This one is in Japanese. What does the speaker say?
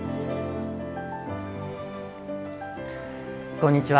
こんにちは。